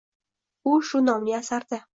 U shu nomli asarida